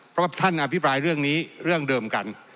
เพราะว่าท่านอภิปรายเรื่องนี้เรื่องเดิมกัน